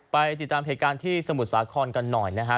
ไปติดตามเหตุการณ์ที่สมุทรสาครกันหน่อยนะฮะ